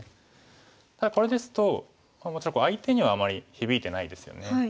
ただこれですともちろん相手にはあまり響いてないですよね。